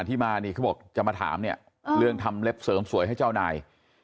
ที่มานี่เขาบอกจะมาถามเนี่ยเรื่องทำเล็บเสริมสวยให้เจ้านาย